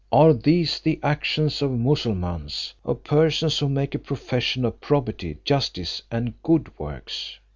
Are these the actions of Moosulmauns, of persons who make a profession of probity, justice, and good works?"